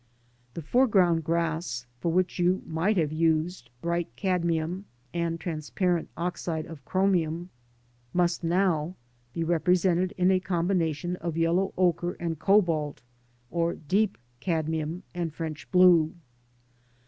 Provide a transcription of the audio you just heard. The foreground grass, for which you might have used bright cadmium and transparent oxide of chromium, must now be represented in a combination of yellow ochre and cobalt, or deep cadmium and French blue.